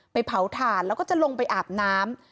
เผาถ่านแล้วก็จะลงไปอาบน้ำ